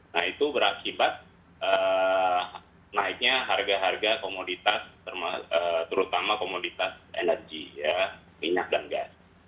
nah itu berakibat naiknya harga harga komoditas terutama komoditas energi minyak dan gas